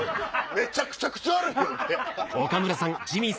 めちゃくちゃ口悪い！